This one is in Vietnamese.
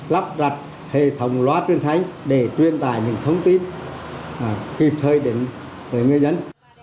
lắp đặt hệ thống loa phát thanh để truyền tài những thông tin kịp thời đến người dân